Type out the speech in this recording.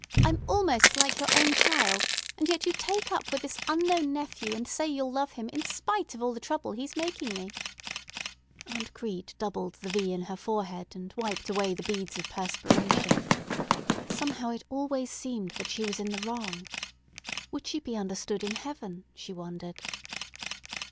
I'm almost like your own child, and yet you take up with this unknown nephew, and say you'll love him in spite of all the trouble he's making me." Aunt Crete doubled the V in her forehead, and wiped away the beads of perspiration. Somehow it always seemed that she was in the wrong. Would she be understood in heaven? she wondered.